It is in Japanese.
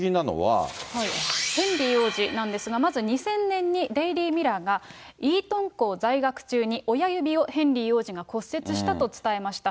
ヘンリー王子なんですが、まず２０００年に、デイリー・ミラーが、イートン校在学中に親指をヘンリー王子が骨折したと伝えました。